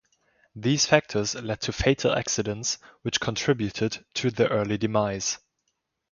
These factors led to fatal accidents which contributed to their early demise.